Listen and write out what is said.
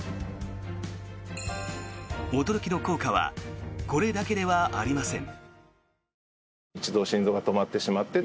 驚きの効果はこれだけではありません。